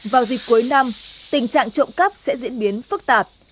vào dịp cuối năm tình trạng trộm cắp sẽ diễn biến phức tạp